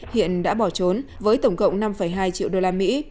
hiện đã bỏ trốn với tổng cộng năm hai triệu đô la mỹ